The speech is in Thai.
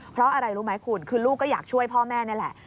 เพราะอะไรรู้ไหมคุณคือลูกก็อยากช่วยพ่อแม่นี่แหละ